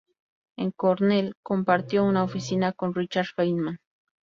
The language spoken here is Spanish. En Cornell, compartió una oficina con Richard Feynman.